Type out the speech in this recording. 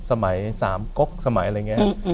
สมัย๓ก๊กสมัยอะไรอย่างนี้